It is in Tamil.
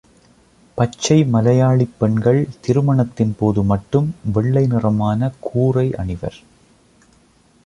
பச்சை மலையாளிப் பெண்கள் திருமணத்தின்போது மட்டும் வெள்ளை நிறமான கூறை அணிவர்.